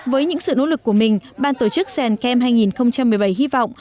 với những sự nỗ lực của mình ban tổ chức sèn kem hai nghìn một mươi bảy hy vọng